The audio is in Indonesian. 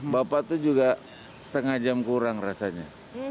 bapak tuh juga setengah jam kurang rasanya